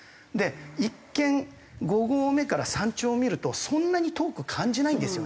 一見５合目から山頂を見るとそんなに遠く感じないんですよね。